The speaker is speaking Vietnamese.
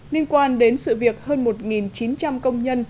liên quan đến sự việc hơn một chín trăm linh công nhân